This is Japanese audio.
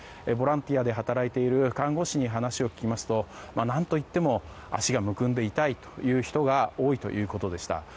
ボランティアで働いている看護師に話を聞きますと何と言っても、足がむくんで痛いという人が多いということでした。